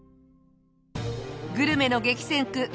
グルメの激戦区